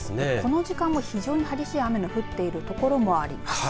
この時間も非常に激しい雨の降っているところもあります。